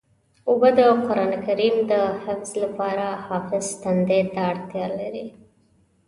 اوبه د قرآن کریم د حفظ لپاره حافظ تندې ته اړتیا لري.